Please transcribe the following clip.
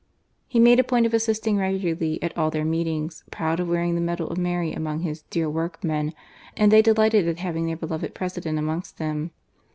He made a point of assisting regularly at all their meetings, proud of wearing the medal of Mary among his "dear workmen," and they delighted at having their beloved President amongst them.